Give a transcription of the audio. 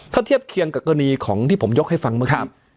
ถ้าเทียบเคียงกับกรณีของที่ผมยกให้ฟังเมื่อกี้